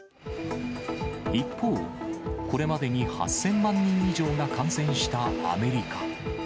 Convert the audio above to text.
一方、これまでに８０００万人以上が感染したアメリカ。